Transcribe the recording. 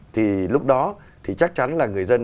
thì lúc đó thì chắc chắn là người dân